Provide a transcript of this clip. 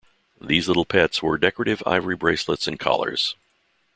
These little pets wore decorative ivory bracelets and collars.